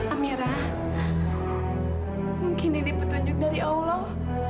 amira mungkin ini petunjuk dari allah